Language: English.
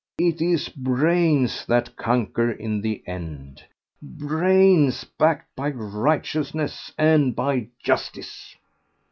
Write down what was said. It is brains that conquer in the end ... brains backed by righteousness and by justice.